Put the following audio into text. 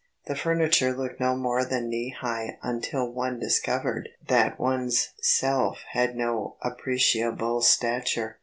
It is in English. The furniture looked no more than knee high until one discovered that one's self had no appreciable stature.